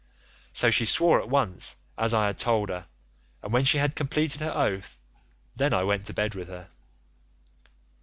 "So she swore at once as I had told her, and when she had completed her oath then I went to bed with her.